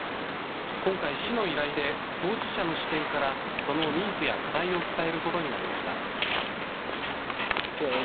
今回、市の依頼で当事者の視点からそのニーズや課題を伝えることになりました。